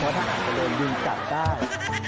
เพราะถ้าอาจจะโดนยืนจัดได้